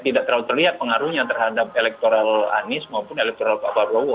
tidak terlalu terlihat pengaruhnya terhadap elektoral anies maupun elektoral pak prabowo